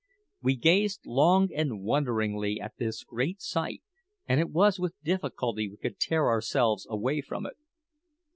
We gazed long and wonderingly at this great sight, and it was with difficulty we could tear ourselves away from it.